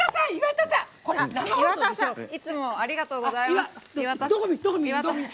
岩田さんいつもありがとうございます。